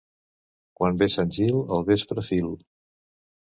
Quan ve Sant Gil, al vespre fil.